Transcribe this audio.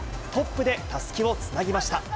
トップでたすきをつなぎました。